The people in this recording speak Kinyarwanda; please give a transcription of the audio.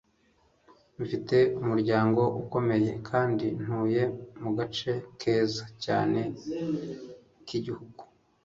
mfite umuryango ukomeye kandi ntuye mu gace keza cyane k'igihugu